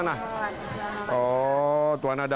ini berapa juta juta